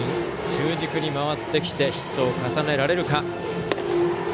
中軸に回ってきてヒットを重ねられるか。